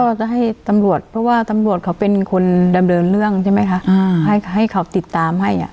ก็จะให้ตำรวจเพราะว่าตำรวจเขาเป็นคนดำเนินเรื่องใช่ไหมคะอ่าให้ให้เขาติดตามให้อ่ะ